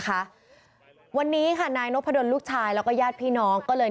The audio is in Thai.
ค่ะวันนี้ค่ะนายนพดลลูกชายแล้วก็ญาติพี่น้องก็เลย